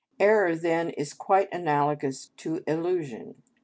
Error then is quite analogous to illusion.